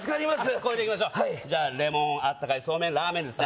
これでいきましょうじゃあレモン温かいソーメンラーメンですね